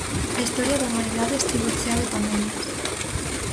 A historia da humanidade estivo chea de pandemias.